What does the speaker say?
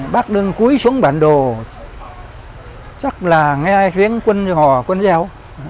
bác đứng cuối xuống bản đồ chắc là nghe tiếng quân hòa quân gieo